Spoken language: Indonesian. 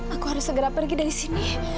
aku harus segera pergi dari sini